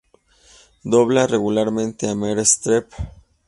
Dobla regularmente a Meryl Streep.